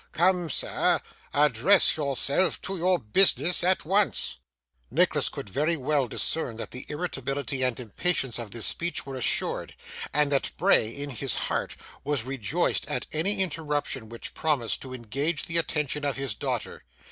Come, sir, address yourself to your business at once.' Nicholas could very well discern that the irritability and impatience of this speech were assumed, and that Bray, in his heart, was rejoiced at any interruption which promised to engage the attention of his daughter.